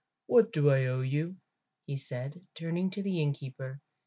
What do I owe you?" he said, turning to the innkeeper.